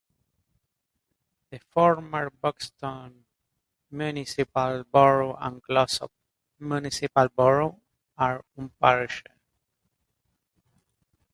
The former Buxton Municipal Borough and Glossop Municipal Borough are unparished.